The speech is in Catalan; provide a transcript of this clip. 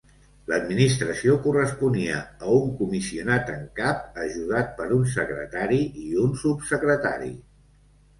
L'administració corresponia a un Comissionat en cap, ajudat per un secretari i un subsecretari.